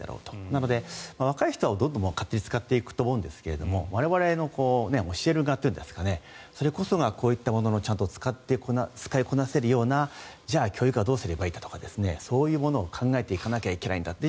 なので、若い人はどんどん勝手に使っていくと思うんですが我々の教える側それこそがこういったものをちゃんと使いこなせるような教育はどうすればいいかとかそういうことを考えていかないといけないと。